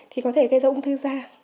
thì có thể gây ra ung thư da